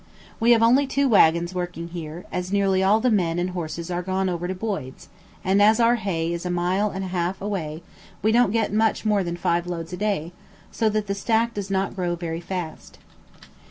We have only two waggons working here, as nearly all the men and horses are gone over to Boyd's; and as our hay is a mile and a half away, we don't get much more than five loads a day, so that the stack does not grow very fast.